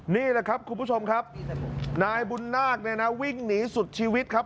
นี่แหละครับคุณผู้ชมครับนายบุญนาคเนี่ยนะวิ่งหนีสุดชีวิตครับ